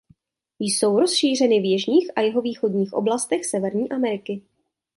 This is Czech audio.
Jsou rozšířeny v jižních a jihovýchodních oblastech Severní Ameriky.